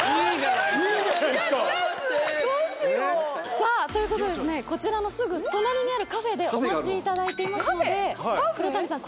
さぁということでこちらのすぐ隣にあるカフェでお待ちいただいていますので黒谷さん